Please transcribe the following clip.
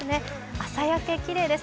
朝焼けきれいです。